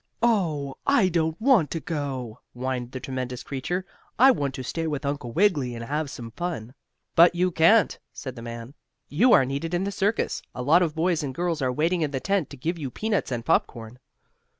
"Oh, I don't want to go," whined the tremendous creature. "I want to stay with Uncle Wiggily, and have some fun." "But you can't," said the man. "You are needed in the circus. A lot of boys and girls are waiting in the tent, to give you peanuts and popcorn."